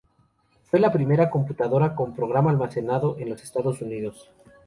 Fue la primera computadora con programa almacenado en los Estados Unidos.